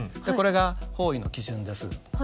これが方位の基準です。